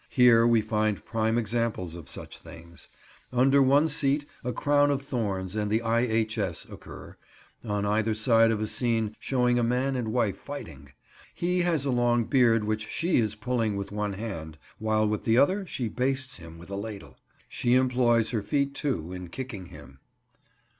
Here we find prime examples of such things. Under one seat a Crown of Thorns and the I.H.S. occur, on either side of a scene showing a man and wife fighting. He has a long beard which she is pulling with one hand, while with the other she bastes him with a ladle. She employs her feet, too, in kicking him.